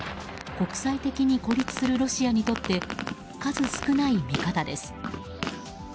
国際的に孤立するロシアにとって数少ない味方です。